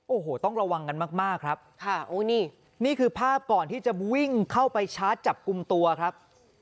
โอ้โหต้องระวังกันมากมากครับค่ะโอ้นี่นี่คือภาพก่อนที่จะวิ่งเข้าไปชาร์จจับกลุ่มตัวครับ